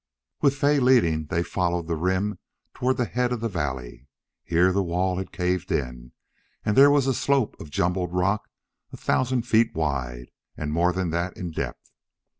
With Fay leading, they followed the rim toward the head of the valley. Here the wall had caved in, and there was a slope of jumbled rock a thousand feet wide and more than that in depth.